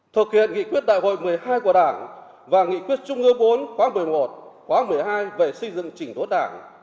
thực hiện nghị quyết đại hội một mươi hai của đảng và nghị quyết trung ương bốn khoáng một mươi một khoáng một mươi hai về xây dựng trình tốt đảng